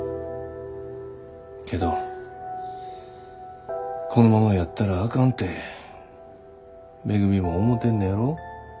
けどこのままやったらあかんてめぐみも思てんねやろ。